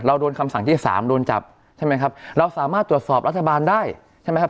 โดนคำสั่งที่สามโดนจับใช่ไหมครับเราสามารถตรวจสอบรัฐบาลได้ใช่ไหมครับ